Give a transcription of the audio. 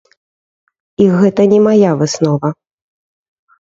І гэта не мая выснова.